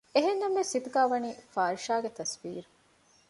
އެހެންނަމަވެސް ހިތުގައި ވަނީ ފާރިޝާގެ ތަސްވީރު